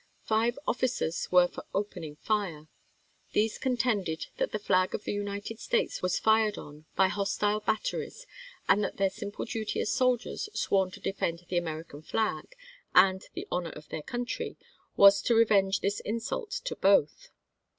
" Five officers were for opening fire. These contended that the flag of the United States was fired on by hostile batteries, and that their simple duty as soldiers sworn to defend the Ameri 106 ABEAHAM LINCOLN chap. vin. can flag and the honor of their country, was to revenge this insult to both.